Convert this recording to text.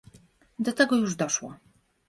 Do tego już doszło